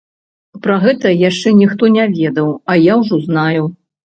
Пра гэта яшчэ ніхто не ведае, а я ўжо знаю.